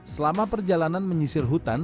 selama perjalanan menyisir hutan